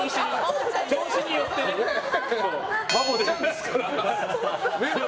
バボちゃんですから。